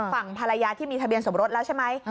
ฝั่งภรรยาที่มีทะเบียนสมรสแล้วใช่ไหม